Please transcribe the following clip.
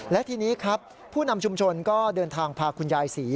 และทีนี้ครับผู้นำชุมชนก็เดินทางพาคุณยายศรี